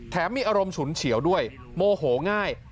มีอารมณ์ฉุนเฉียวด้วยโมโหง่าย